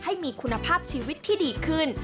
ให้มีคุณภาพชีวิตที่ดีขึ้น